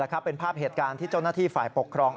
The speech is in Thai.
เป็นภาพเหตุการณ์ที่เจ้าหน้าที่ฝ่ายปกครอง